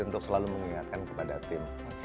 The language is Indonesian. untuk selalu mengingatkan kepada tim